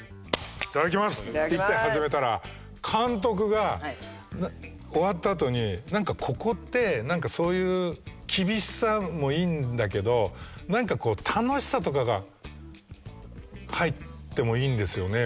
「いただきます」って言って始めたら監督が終わった後に「何かここってそういう厳しさもいいんだけど何かこう楽しさとかが入ってもいいんですよね」